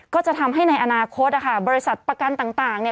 ก็จะทำให้ในอนาคตนะคะบริษัทประกันต่างเนี่ย